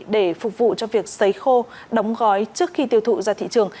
để phục vụ cho việc xấy khô đóng gói trước khi tiêu thụ ra thị trường